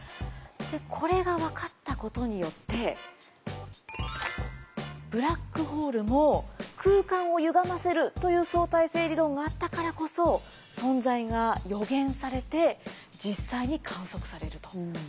これが分かったことによってブラックホールも空間をゆがませるという相対性理論があったからこそ存在が予言されて実際に観測されると。